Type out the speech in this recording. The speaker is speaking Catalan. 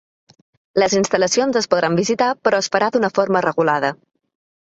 Les instal·lacions es podran visitar però es farà d’una forma regulada.